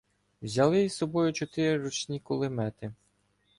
Взяли із собою чотири ручні кулемети.